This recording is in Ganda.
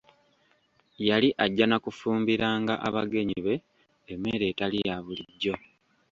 Yali ajja na kufumbiranga abagenyi be emmere etali ya bulijjo.